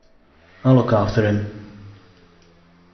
I'll look after him.